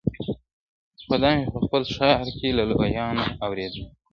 خو دا مي په خپل ښار کي له لویانو اورېدلي -